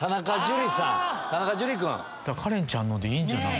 カレンちゃんのでいいんじゃない。